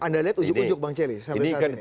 anda lihat ujug ujug bang celi sampai saat ini ya